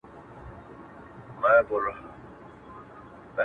تا چي پر لمانځه له ياده وباسم؛